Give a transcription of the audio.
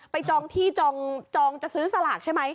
จองที่จองจะซื้อสลากใช่ไหม